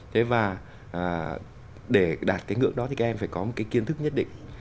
thế và để đạt cái ngưỡng đó thì các em phải có một cái kiến thức nhất định